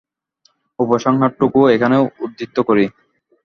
উপসংহারটুকুই এখানে উদ্ধৃত করি।